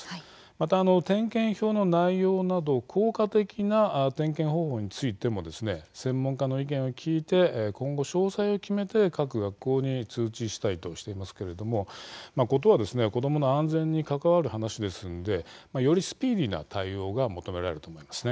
また、点検表の内容など効果的な点検方法についても専門家の意見を聞いて今後、詳細を決めて各学校に通知したいとしていますけれども事は子どもの安全に関わる話ですので、よりスピーディーな対応が求められると思います。